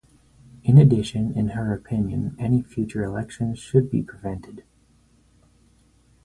In addition, in her opinion, any future elections should be prevented.